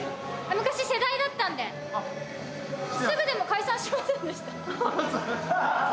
昔、世代だったんででも、すぐ解散しませんでした？